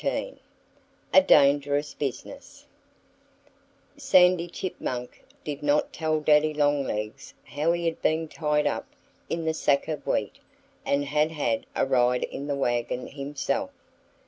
XIII A DANGEROUS BUSINESS SANDY CHIPMUNK did not tell Daddy Longlegs how he had been tied up in the sack of wheat and had had a ride in the wagon himself.